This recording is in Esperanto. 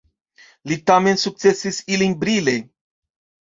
Li tamen sukcesis ilin brile.